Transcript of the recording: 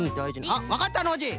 あっわかったノージー。